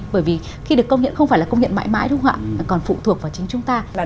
bởi vì khi được công nhận không phải là công nhận mãi mãi đúng không ạ còn phụ thuộc vào chính chúng ta